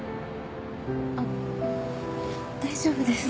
あっ大丈夫です。